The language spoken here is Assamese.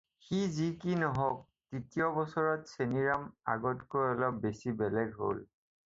সি যি কি নহওক, তৃতীয় বছৰত চেনিৰাম আগতকৈ অলপ বেলেগ হ'ল।